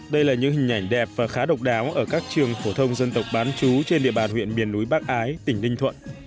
đây là những hình ảnh đẹp và khá độc đáo ở các trường phổ thông dân tộc bán chú trên địa bàn huyện miền núi bắc ái tỉnh ninh thuận